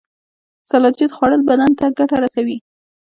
سلاجید خوړل بدن ته ګټه رسوي